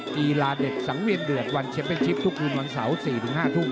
กีฬาเด็กสังเวียนเดือดวันแชมเป็นชิปทุกคืนวันเสาร์๔๕ทุ่ม